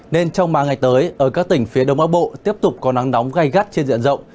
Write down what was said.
nên trong ba ngày tới ở các tỉnh phía đông bắc bộ tiếp tục có nắng nóng gai gắt trên diện rộng